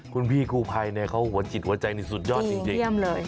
คุณพี่กู้ภัยเนี่ยเขาหัวจิตหัวใจนี่สุดยอดจริงเยี่ยมเลย